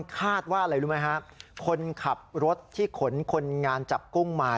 คาดว่าอะไรดูมั้ยฮะคนขับรถติขนคนงานจับกุ้งมา